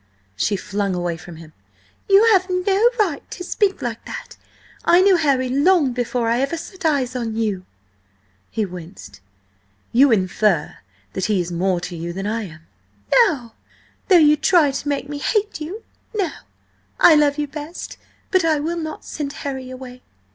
She flung away from him. "You have no right to speak like that. I knew Harry long before I ever set eyes on you!" He winced. "You infer that he is more to you than I am?" "No! Though you try to make me hate you. No! I love you best. But I will not send Harry away!"